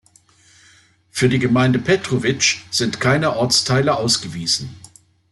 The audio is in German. Für die Gemeinde Petrovice sind keine Ortsteile ausgewiesen.